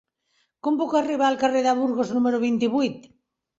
Com puc arribar al carrer de Burgos número vint-i-vuit?